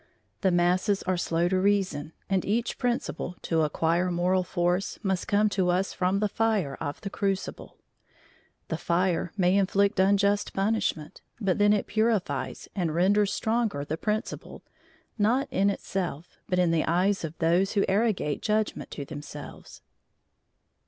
The masses are slow to reason, and each principle, to acquire moral force, must come to us from the fire of the crucible; the fire may inflict unjust punishment, but then it purifies and renders stronger the principle, not in itself, but in the eyes of those who arrogate judgment to themselves.